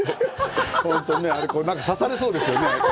本当ね、刺されそうですよね。